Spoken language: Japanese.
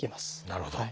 なるほど。